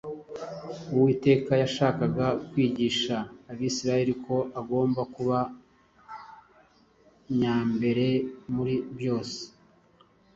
Uwiteka yashakaga kwigisha Abisirayeli ko agomba kuba nyambere muri byose.